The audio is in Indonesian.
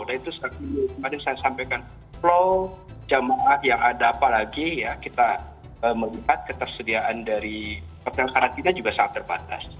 nah itu seperti yang saya sampaikan flow jamaah yang ada apa lagi kita melihat ketersediaan dari hotel karantina juga sangat terbatas